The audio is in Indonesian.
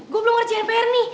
gue belum kerja npr nih